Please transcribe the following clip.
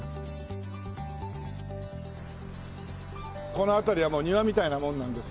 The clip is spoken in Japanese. この辺りはもう庭みたいなもんなんですよ。